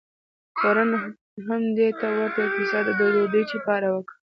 تورن هم دې ته ورته یوه کیسه د ډوچي په اړه وکړه.